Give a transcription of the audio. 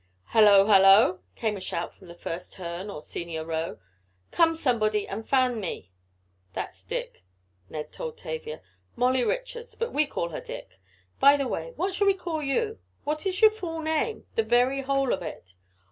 "Hello! Hello!" came a shout from the first turn or senior row. "Come, somebody, and fan me!" "That's 'Dick,'" Ned told Tavia. "Molly Richards, but we call her Dick. By the way, what shall we call you? What is your full name? The very whole of it?"